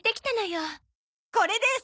これです！